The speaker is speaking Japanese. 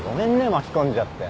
巻き込んじゃって